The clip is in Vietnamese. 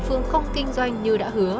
phương không kinh doanh như đã hứa